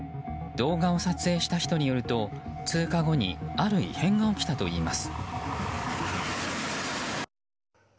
動画を撮影した人によると通過後にある異変が起きたといいます。